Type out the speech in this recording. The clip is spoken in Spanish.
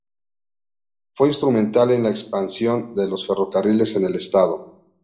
Fue instrumental en la expansión de los ferrocarriles en el estado.